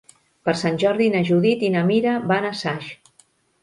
Per Sant Jordi na Judit i na Mira van a Saix.